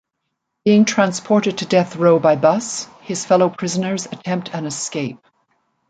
Being transported to death row by bus, his fellow prisoners attempt an escape.